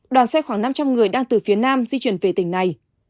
đoàn xe khoảng năm trăm linh người đang từ phía nam di chuyển về tỉnh này